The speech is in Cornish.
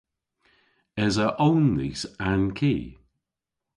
Esa own dhis a'n ki?